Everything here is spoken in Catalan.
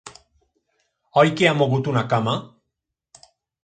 Oi que ha mogut una cama?